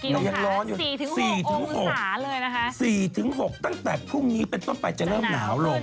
กี่องค์ค่ะสี่ถึงหกองค์อุตสาเลยนะฮะสี่ถึงหกตั้งแต่พรุ่งนี้เป็นต้นไปจะเริ่มหนาวลง